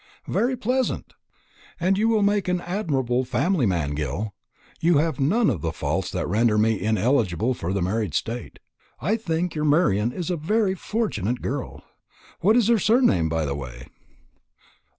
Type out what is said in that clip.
"Very pleasant! and you will make an admirable family man, Gil. You have none of the faults that render me ineligible for the married state. I think your Marian is a very fortunate girl. What is her surname, by the way?"